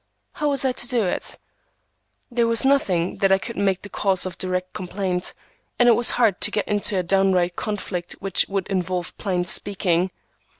How was I to do it? There was nothing that I could make the cause of direct complaint, and it was hard to get into a downright conflict which would involve plain speaking.